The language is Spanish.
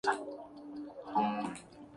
Se extendió desde Java a Islandia.